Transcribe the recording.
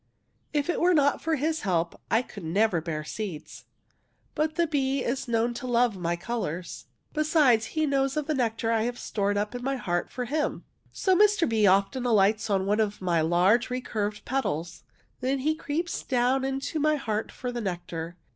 ^* If it were not for his help I could never bear seeds. But the bee is known to love my colours. Besides, he knows of the nectar I have stored up in my heart for him. *' So Mr. Bee often alights on one of my large recurved petals. Then he creeps down into my heart for the nectar.